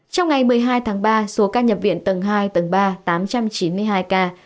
trong ngày một mươi hai tháng ba số ca nhập viện tầng hai tầng ba tám trăm chín mươi hai ca